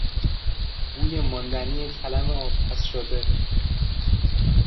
بوی ماندنی کلم آبپزشده